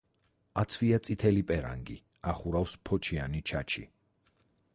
აცვია წითელი პერანგი, ახურავს ფოჩიანი ჩაჩი.